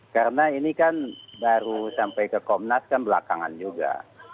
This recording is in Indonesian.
karena ini kan baru sampai ke komnas kan belakangan juga